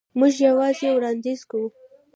موږ یوازې وړاندیز کوو.